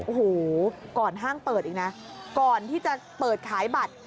โอ้โหก่อนห้างเปิดอีกนะก่อนที่จะเปิดขายบัตร